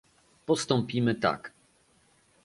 Postąpimy tak